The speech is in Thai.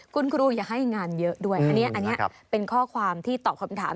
คุณครูอย่าให้งานเยอะด้วยอันนี้เป็นข้อความที่ตอบคำถาม